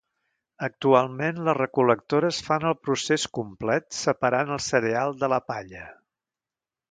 Actualment les recol·lectores fan el procés complet separant el cereal de la palla.